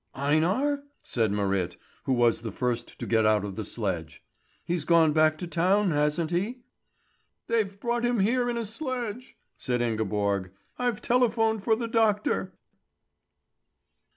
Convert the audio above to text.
"Einar?" said Marit, who was the first to get out of the sledge. "He's gone back to town, hasn't he?" "They brought him here in a sledge," said Ingeborg. "I've telephoned for the doctor."